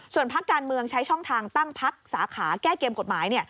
ส่วนพักการเมืองใช้ช่องทางตั้งพักสาขาแก้เกมกฎหมาย